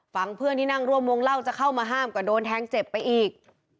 เพื่อนที่นั่งร่วมวงเล่าจะเข้ามาห้ามก็โดนแทงเจ็บไปอีก